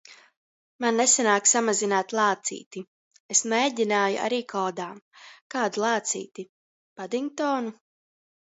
Man nesanāk samazināt lācīti. Es mēģināju arī kodā. Kādu lācīti? Padingtonu.